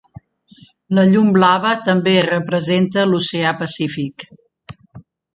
La llum blava també representa l'Oceà Pacífic.